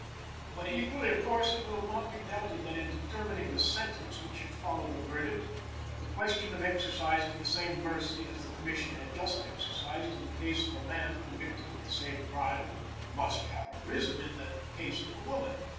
But, equally of course, it will not be doubted that, in determining the sentence which should follow the verdict, the question of exercising the same mercy as the Commission had just exercised in the case of a man convicted of the same crime, must have arisen in the case of the woman.